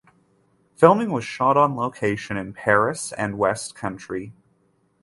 Filming was shot on location in Paris and West Country.